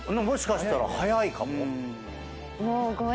もしかしたら早いかも？